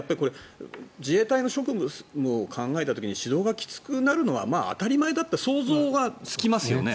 自衛隊の職務を考えた時に指導がきつくなるのは当たり前だって想像はつきますよね。